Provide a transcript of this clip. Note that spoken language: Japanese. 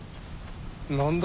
何だ？